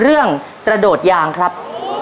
เรื่องตระโดดยางครับ